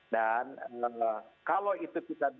dan kalau itu bisa dilakukan